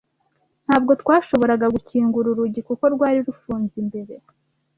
Ntabwo twashoboraga gukingura urugi kuko rwari rufunze imbere.